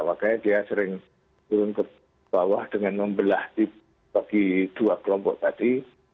makanya dia sering turun ke bawah dengan membelah bagi dua kelompok tadi